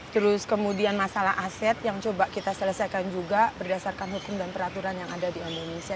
terus kemudian masalah aset yang coba kita selesaikan juga berdasarkan hukum dan peraturan yang ada di indonesia